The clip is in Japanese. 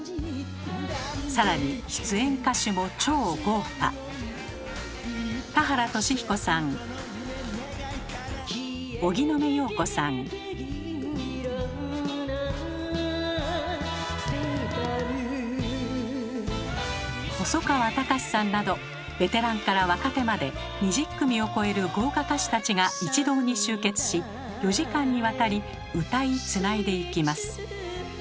更に出演歌手も超豪華。などベテランから若手まで２０組を超える豪華歌手たちが一堂に集結し４時間にわたり歌いつないでいきます。